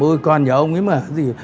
ôi con nhớ ông ấy mà